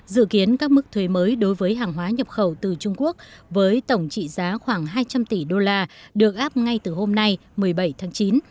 dự kiến các mức thuế mới đối với hàng hóa nhập khẩu từ trung quốc với tổng trị giá khoảng hai trăm linh tỷ đô la được áp ngay từ hôm nay một mươi bảy tháng chín